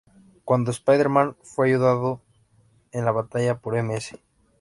Cuando Spider-Man fue ayudado en la batalla por Ms.